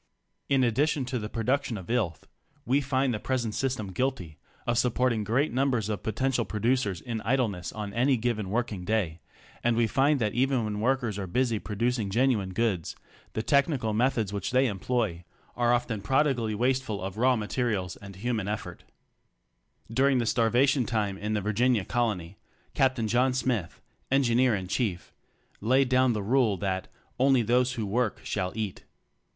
In addition to the production of "illth," we find the present system guilty of supporting great numbers of po tential producers in idleness on any given working day, and we find that even when workers are busy producing genuine goods, the technical methods which they employ are often prodigally wasteful of raw materials and human effort During the starvation time in the Virginia colony, Captain John Smith, engineer in chief, laid down the rule that "only those who work shall eat."